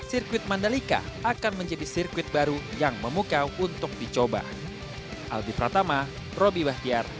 sirkuit mandalika akan menjadi sirkuit baru yang memukau untuk dicoba